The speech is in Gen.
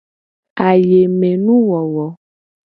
Ayemenuwowo.